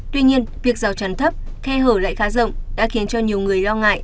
tuy nhiên việc rào chắn thấp khe hở lại khá rộng đã khiến cho nhiều người lo ngại